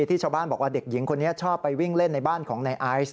ที่ชาวบ้านบอกว่าเด็กหญิงคนนี้ชอบไปวิ่งเล่นในบ้านของนายไอซ์